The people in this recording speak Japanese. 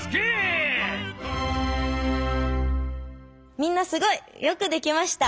みんなすごい！よくできました！